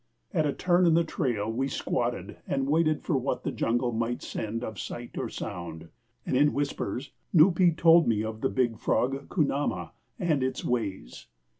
At a turn in the trail we squatted and waited for what the jungle might send of sight or sound. And in whispers Nupee told me of the big frog kunama, and its ways.